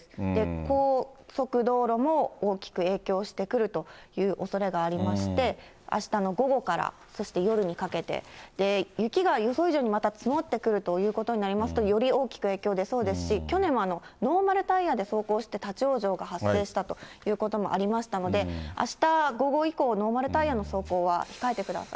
高速道路も大きく影響してくるというおそれがありまして、あしたの午後から、そして夜にかけて、雪が予想以上にまた積もってくるということになりますと、より大きく影響出そうですし、去年もノーマルタイヤで走行して立往生が発生したということもありましたので、あした午後以降、ノーマルタイヤの走行は控えてください。